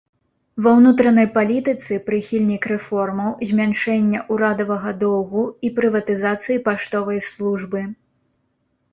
Ва ўнутранай палітыцы прыхільнік рэформаў, змяншэння ўрадавага доўгу і прыватызацыі паштовай службы.